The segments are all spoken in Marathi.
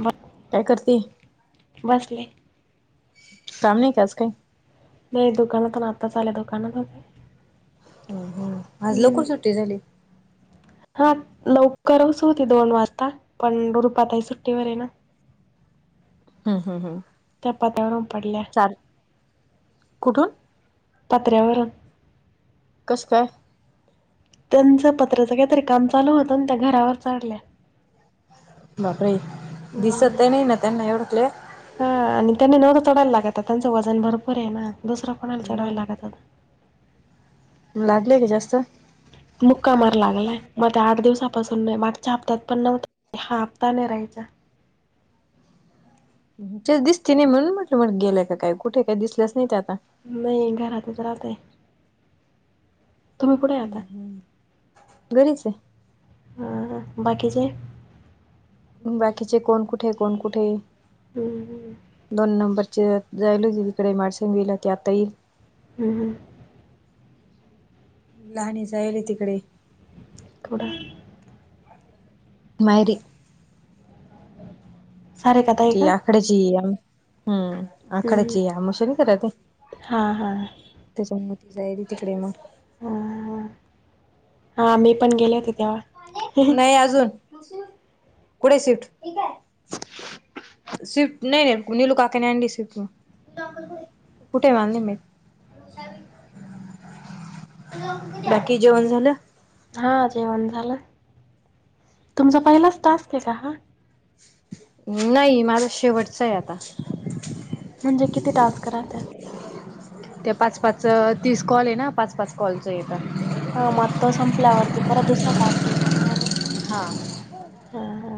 ब काय करते? बसले सामने काज काय नाही दुकानात ना आता चाले दुकानात हो हो आज लवकर सुट्टी झाली हा लवकरचच होती दोन वाजता पण रुपातही सुट्टीवर आहे ना हम् हम हम कुठून [unintelligible] कसं काय त्यांचं पत्रचं काहीतरी काम चालू होतं ना त्या घरावर चाढल्या बापरे हम्म दिसत त्यां नाही ना त्यांना एवढकले हा आणि त्यांनी नव तर चढायला लागत त्यांचं वजन भरपूर आहे ना दुसर कोणाला चढायला लागत लागलेय का जास्ते मुक्कामार लागलाय मग ते आठ दिवसापासून नाही माग छापतात पण नव्हत हापता न राहायचा तेच दिसती नाही म्हणून म्हटलं मग गेले काय कुठे काही दिसल्याच नाही ते आता नाही घरातच राहतय तुम्ही कुठे आता घरीच ह बाकीचे बाकीचे कोण कुठे कोण कुठे हम्म, दोन नंबरचे जायल हो त इिकडे मडश गेलाी आता येईल हम लहान जायल आहे तिकडे कोड आहे माहेरी [unintelligible] आखडेची हम्म हम्म, आखडेचीयामशा हा हा सनमतीच आहे त तिकडे मग ह हा मी पण गेले होते तेव्हा नाही अजून कुठे शिफ्ट स्विफ्ट नाही नाही नलू काक नाही अडी स्विफ्ट कुठे मालली मी बाकी जेवण झालं हा जेवण झालं तुमचा पहिलाच तास्क आहे का हा नाही माझ शेवटचा आहे आता म्हणजे किती टास्क राहतात ते पाच पाच तीस कॉल आहे ना पाच पाच कॉलच आहे तर हा मग तो संपल्यावरती परत दुसरा टास्क लिला त मला हा ह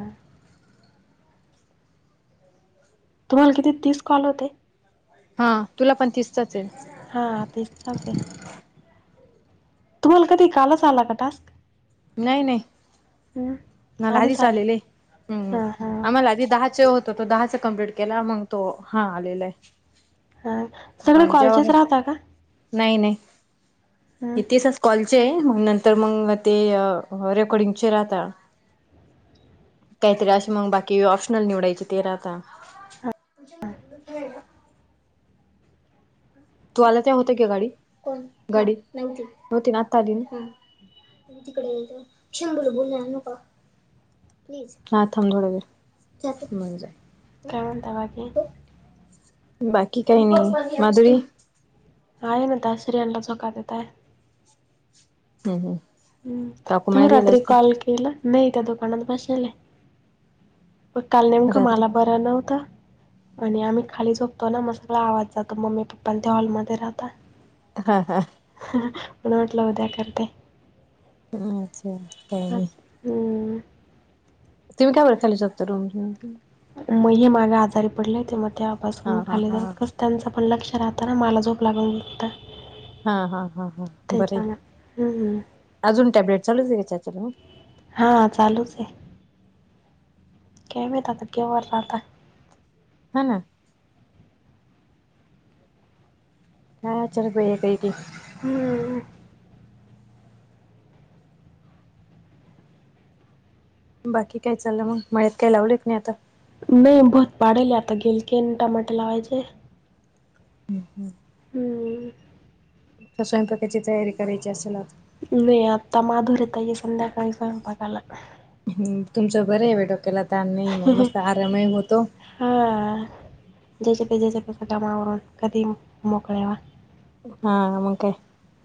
तुम्हाला किती तीस कॉल होते हा तुला पण तसतच आहे हा तेचछ आहे तुम्हाला कधी कालच आला का टास्क नाही नाही हम् ना लाधी चालेले् आम्हालाधी दहाचे होते त तो दहाचा कमप्लीट केला मग तो हा आलेला आहे हा सगळे म्हणजवर कॉलचेच राहता का नाही नाही हम्म, इतीच कॉलचे मग नंतर मग ते रेकॉर्डिंगचे राहता काहीतरी अशी मग बाकी ऑप्शनल निवडायचे ते रा आता [inaudible] तू आला त्या होत की गाडी, गाडी नव्हती ना आता आली. तिकडे क्ष [unintelligible] बोल न का. हा थांब थोडं वेळं. काय म्हणता बाकी? बाकी काही नाही माधुरी आहे ना बासरी अण्णांच [unintelligible] आहे हम्म हम्म. हम् काकू तुम्ही मळ्यात गेले रात्री असतील कॉल केला नाही त्या दुकानात बसले ले. काल नेमकं रात्री मला बरं नव्हतं. आणि आम्ही खाली झोपतो ना मग सगळा आवाज जातो मम्मी पप्पा आणि ते हॉलमध्ये राहतात. हा हा. पण वाटलं उद्या करते. हम्म चालते काय नाही. हम्म. तुम्हीय बत खली शकतो रु. मग हे मागे आजारी पडले ते मग त्यापासून हा हा खाली हा जात कस त्यांचं पण लक्ष राहतांना मला झोप लागल्यानंतर. हा हा हा हा बर, हम्म. अजून टॅब्लेट चालू जायच्या. [unintelligible] हा चालूच आहे. काय माहित आता केव [unintelligible] हा ना. हा चल ब [unintelligible] काय [unintelligible] हम्म. बाकी काय चाललं मग मळ्यात काय लावलेत नाही आता. नाही भुत पाडेल आता गेल के टमाटर लावायचे. हम् हम. हम्म. तर स्वयंपाकाची तयारी करायची असेल आता. नाही आता माधुरी ताई संध्याकाळी स्वयंपाकाला. तुमचं बरं आहे बाई डोक्याला तान नाही मग मस्त आरामही होतो. हां जचपे जचपे सटा मावरून कधी मोकळेवा. हा हा मग काय?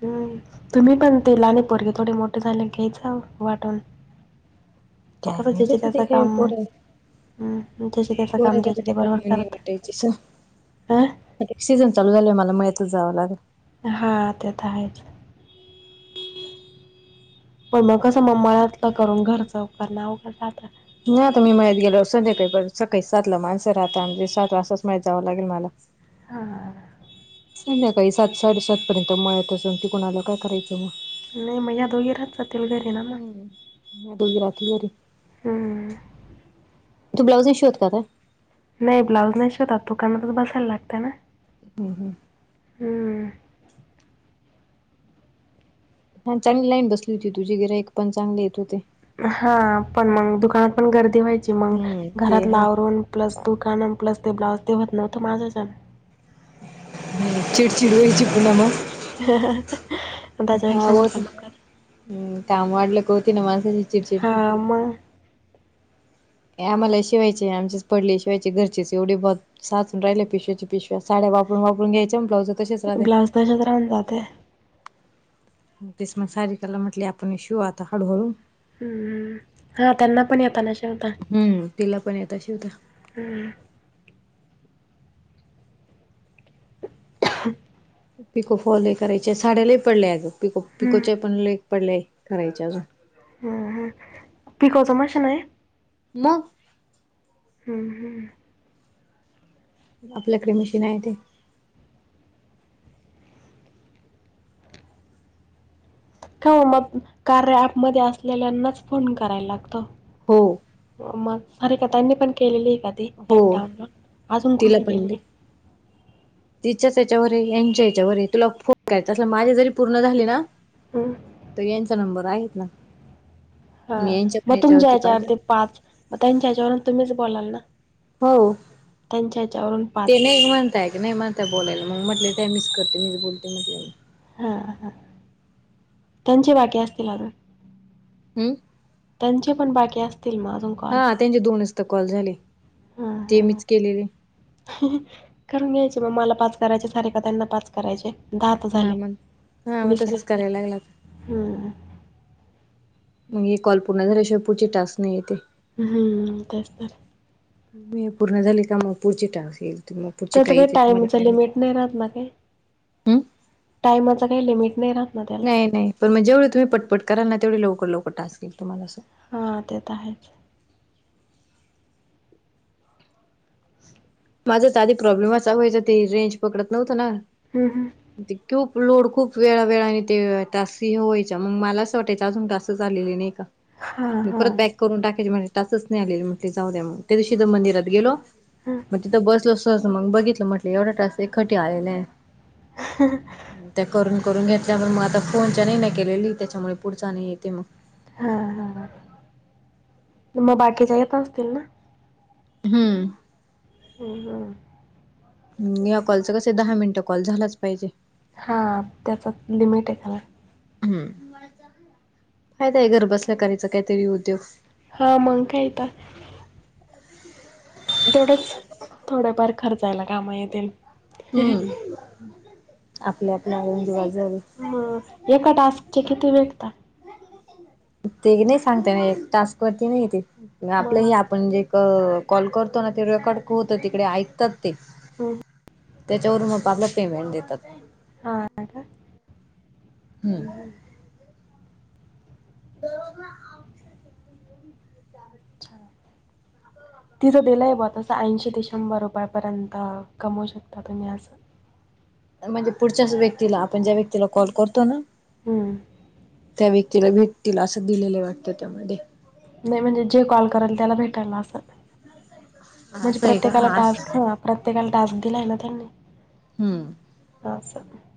हम्म तुम्ही पण ते लाणी पोरगे थोडे मोठे झाले घ्यायच वाटून. काय कसं माहिती घ्यायचे त त्याच ते काय काम. पोर हम्म त्याचं त्याचं पोर काम काय त्यांचे ते काम बरोबर नाही करत, वाटायची स अ सीझन चालू झाले मला माळतच जावं लागलं. हा ते तर आहेच. पण मग कसं म्मळतलं करून घरच उकार ना आता. नाही आता मी मळ्यात गेलो संध्याकाळी बण सकाळी सातला माणसं राहता म्हणजे सात वाजताच मळ्यात जावं लागेल मला. [inaudible] हां. संध्याकाळी सात साडेसात पर्यंत मळत असून ती कुणाला काय करायचं मग. नाही म या दोघेरा [unintelligible] घरी. ना मग हम्म. हम्म तो ब्लाउज ही शिवत होत का काय? नाही ब्लाऊज नाही शोधतात दुकानातच बसायला लागतय ना. हम्म हम्म. हम्म. हा चांगली लाईन बसली होती तुझे गिरॅक पण चांगले येत होते. हा पण मग दुकानात पण गर्दी व्हायची मग हम्म ते घरात ला आहे आवरून प्लस दु कान प्लस ते ब्लाउज तेवत नव्हतं माझं जण. चिडचिड वयची पुनम. ह हा होत हम् काम वाढलं की होती ना माणसाची चिडचिड हां मग आम्हाला शिवायचे नाय आमचीच पडली शिवायची घरचीच एवढी ब साचून राहिले पिशव्या पिशव्या साड्या वापरून वापरून घ्यायच्या म ब्लाउज तसेच राहते. ब्लाऊज तशत राहून जाते तेच मग सारिकाला म्हटले आपण शिउ आता हळूहळू हम् हा त्यांना पण येताल शिवता हम्म तिला पण येत शिवता हम्म. ह पिको फॉल हे करायचे साड्या लय पडल्या पिको हम्म. पिकोच्या पण लय पडलेय करायचे अजून हम्म हम्म पिकोचं मशीन हाय. म हम्म हम्म. आपल्याकडे मशीन आहे ते का ओ मग कार्या ऍपमध्ये असलेल्यांनाच फोन करायला लागतो हो. मग सारिका ताईंनी पण केलेली आहे का ती ऍप हो डाउनलोड अजून तिला कोणी पण दे. केलीय? तिच्याच याच्यावर यांच्या याच्यावर तुला फोन करायचा अस माझे जरी पूर्ण झाले ना हम्म. तर यांचा नंबर आहेत ना हा मी यांच्या पण मग तुमच्या याच्यावरती काढला ह्याचवरती पाच मग त्यांच्या ह्याच्यावरून तुम्हीच बोलाल ना हो त्यांच्या ह्याच्यावरून पाच नाही म्हणताय ते नाही म्हणताहेत बोलायला मग म्हटले द्या मीच करते मी बोलते म्हटले हा हा त्यांची बाकी असतील अजून हम्म. त्यांचे पण बाकी असतील म अजून कॉल हा त्यांचे दोनच तर कॉल झाले हां ते हां मीच केलेले करून घ्यायचे मग मला पास करायचे सारीकताईना पाच करायचे दहा तर झाले हा मग हा मग विस तसंच करायला लागला राहतील मग हे कॉल पूर्ण आल्याशिवाय पुढचे टास्क नाही येते हम्म ते तर मी पूर्ण झाली का मग, पुढची टास्क येईल मग पुढची त्याच काय काही येते मला टाइमच काय माहिती लिमिट नाही राहत ना काय हम्म टाइमाच काही लिमिट नाही राहत ना त्याला नाही नाही पण म, जेवढे तुम्ही पट पट कराल ना तेवढे लवकर लवकर टास्क येईल तुम्हाला सु हा ते तर आहेच माझाच आधी प्रॉब्लेम असा व्हायचा ते रेंज पकडत नव्हतं ना हम्म हम्म. खूप लोड खूप वेळा वेळाने ते टास्क हे व्हायच्या मग मला असं वाटायचं अजून टास्क झालेले नाही का हां, म हां. परत बॅक करून टाकायची म्हटल टास्कच नाही आलेली म्हटले जाऊ द्या म, त्यादिवशी तर मंदिरात गेलो हम्म. मग तिथं बसल असो असं मग बघितलं म्हटलं एवढा टास्क एकहाती आलेला आहे ह त्या करून करून घेतल्या म्हणून मग आता फोनच्या नाही ना केलेली त्याच्यामुळे पुढचा नाही येते मग हा हा म बाकीच्या येत असतील ना हम्म. हम्म हम्म. हम्म ह्या कॉलच कस आहे, दहा मिनिटं कॉल झालाच पाहिजे हा त्याच्यात लिमिट आहे त्याला हम्म फायदा हाय घर बसल्या करायच काहीतरी उद्योग हा मंग काय तर तेवढंच थोडफार खर्चायला कामा येतील हम्म आपल्या आपल्या [inaudible] ह एका टास्क चे किती भेटतात ते नाही सांगता येतं टास्क वरती नाही येत मग आपलं ह आपण जे कॉल करतो ना ते रेकॉर्ड होतात तिकडे ऐकतात ते हा त्याच्यावरून मग आपला पेमेंट देतात हा का हम्म हमम [inaudible] [inaudible] [inaudible] तिथं दिले बा तसं ऐंशी ते शंभर रुपयापर्यंत कमवू शकता तुम्ही असं म्हणजे पुढच्याच व्यक्तीला आपण ज्या व्यक्तीला कॉल करतो ना हम त्या व्यक्तीला भेटतील असं दिलेलं आहे वाटतं त्यामध्ये नाही म्हणजे जे कॉल करेल त्याला भेटायला असेल म्हणजे असं आहे का प्रत्येकाला हा टास्क घ्या प्रत्येकाला टास्क दिलाय ना त्यांनी हम्म [inaudible]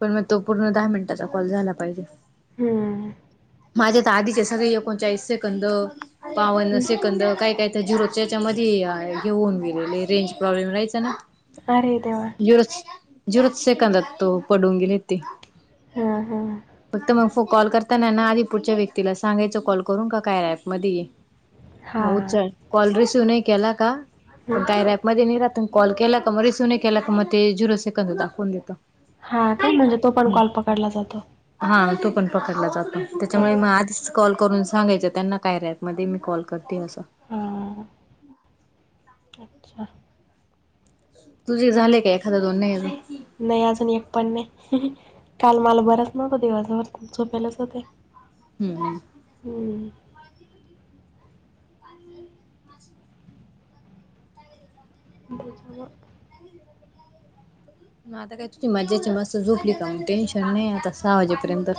पण मग तो पूर्ण दहा मिनिटाचा कॉल झाला पाहिजे हम माझ्या तर आधीचे सगळे, एकूण चाळीस सेकंद पावन हम्म. सेकंद काय काय त्या झिरोच्या याच्यामध्ये हे होऊन गेलेले रेंज प्रॉब्लेम राहायचा ना अरे देवा जु झेरोच सेकंदात ते पडून गेले ते हां, हां. फक्त मग कॉल करताना ना आधी पुढच्या व्यक्तीला सांगायच कॉल करून का काय ऍप मध्ये ये म हां. उचल कॉल रिसिव्ह नाही केला का पण हं. काय र मध्ये नाही राहात कॉल केला क मग रिसिव्ह नाही केला क मग ते झिरो सेकंद दाखवून देतो हा का म्हणजे तो पण कॉल पकडला जातो हा तो पण पकडला जातो त्याच्यामुळे हां, मग आधीच कॉल करून सांगायच त्यांना कार्या अँप मध्ये मी कॉल करते असं हा अच्छा तुझे झाले काय एखादा दोन नाहीही नाही अजुन एकपण नाही काल मला बरच नव्हतं दिवळजळ खूप झोपेलाच होते हम्म हम् [inaudible] मग आता काय तुझी मजेची मस्त झोपली का टेन्शन नाही आता सहा वाजेपर्यंत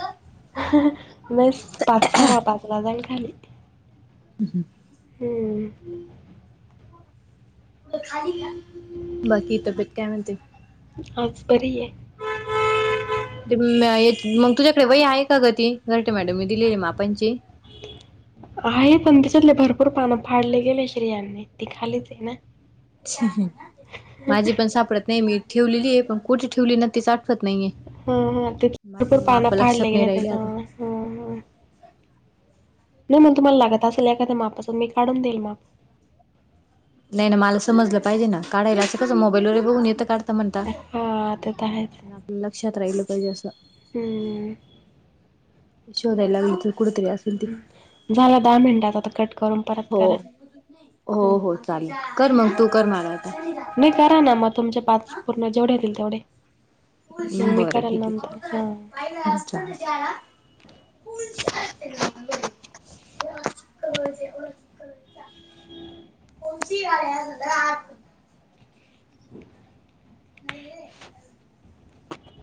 नाही पाच सव्वा पाचला जाईन खाली ह हम हम्म बाकी तब्येत काय म्हनते आज बरी आहे ते मग तुझ्याकडे वही आहे का गती घरतेे मॅडम मी दिलेली मापांची आहे पण त्याच्यातले भरपूर पानं फाडले गेले श्रियाने ती खालीच आहे ना माझी पण सापडत नाही, मी ठेवलेली आहे पण कुठे ठेवली ना, तेच आठवत नाहीये. हा हा, ते भरपूर माझं पाना माप फाडल्या लक्षात नाही गेले राहिले त्याच्या आता मुळे ना. ह नाही मग, तुम्हाला लागत असेल एखाद्या मापासून मी काढून देईल माप. नाही नाही, मला समजलं पाहिजे ना काढाला असं कसं मोबाईल वर ही बघून येतं काढायला. म्हणता, हा ते तर आहेच आपल्या लक्षात राहिल पाहिजे असं. हम्म, शोधायला लागेल कुठं तरी असेल. ती. झाला दहा मिनटाचा आता कट करून परत हो करा. हो हं. हो, चालेल कर मग तू कर मला आता. नाही करा ना, मग तुमचे पाच पूर्ण जेवढे येतील तेवढे. मग मी बरं करल ठीक ना, नंतर हा. [unintelligible] [unintelligible] [unintelligible] नाहीेये.